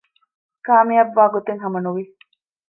ކާމިޔާބުވާގޮތެއް ހަމަ ނުވި